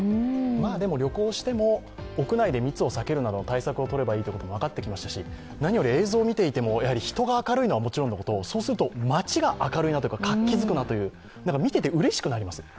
でも旅行しても、屋外で密を避けるなども分かってきましたし、何より映像を見ていても人が明るいのはもちろんのことそうすると街が明るい、活気づくなと見ていてうれしくなります。